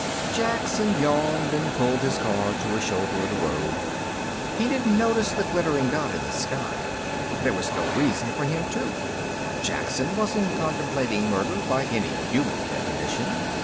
Jackson yawned and pulled his car to a shoulder of the road. He didn't notice the glittering dot in the sky. There was no reason for him to. Jackson wasn't contemplating murder, by any human definition.